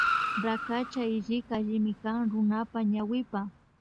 Rakacha hillika allimi kan runapa ñawipa